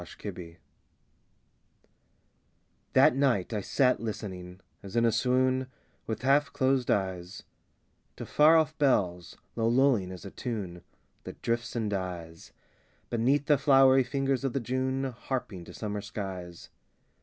THAT NIGHT That night I sat listening, as in a swoon, With half closed eyes, To far off bells, low lulling as a tune That drifts and dies Beneath the flowery fingers of the June Harping to summer skies.